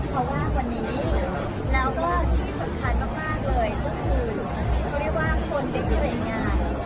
เขาว่างวันนี้แล้วก็ที่สำคัญมากเลยก็คือเขาไม่ว่างคนเป็นที่เลยง่าย